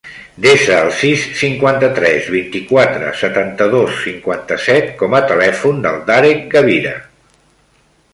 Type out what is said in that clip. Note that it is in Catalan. Desa el sis, cinquanta-tres, vint-i-quatre, setanta-dos, cinquanta-set com a telèfon del Darek Gavira.